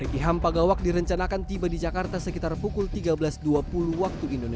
riki ham pagawak direncanakan tiba di jakarta sekitar pukul sepuluh wib